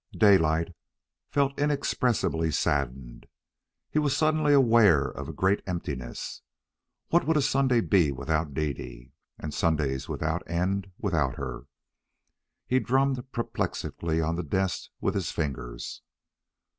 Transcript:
Daylight felt inexpressibly saddened. He was suddenly aware of a great emptiness. What would a Sunday be without Dede? And Sundays without end without her? He drummed perplexedly on the desk with his fingers.